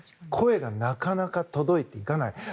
声がなかなか届いていかない。